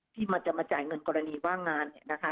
ที่มันจะมาจ่ายเงินกรณีว่างงาน